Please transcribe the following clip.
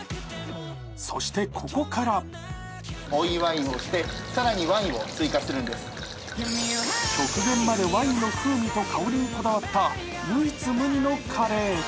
そしてここから極限までワインの風味と香りにこだわった唯一無二のカレー。